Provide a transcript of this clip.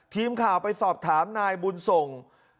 ทีมข่าวไปสอบถามนายบุญส่ง